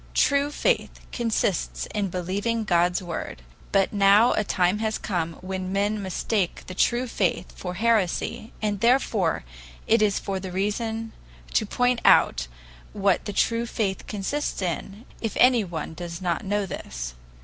True faith consists in believing God's Word; but now a time has come when men mistake the true faith for heresy, and therefore it is for the reason to point out what the true faith consists in, if anyone does not know this.